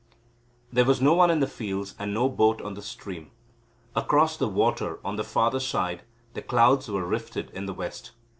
There was no one in the fields, and no boat on the stream. Across the water, on the farther side, the clouds were rifted in the west.